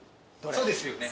そうですよね。